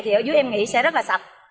thì ở dưới em nghĩ sẽ rất là sạch